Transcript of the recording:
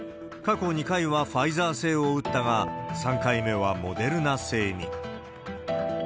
過去２回はファイザー製を打ったが、３回目はモデルナ製に。